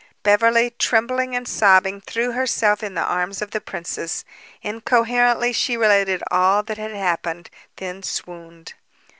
Beverly, trembling and sobbing, threw herself in the arms of the princess. Incoherently, she related all that had happened, then swooned.